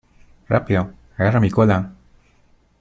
¡ Rápido! ¡ agarra mi cola !